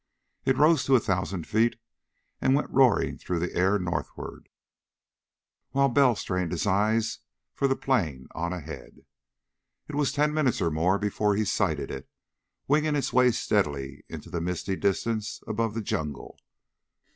It rose to a thousand feet and went roaring through the air to northward, while Bell strained his eyes for the plane on ahead. It was ten minutes or more before he sighted it, winging its way steadily into the misty distance above the jungle.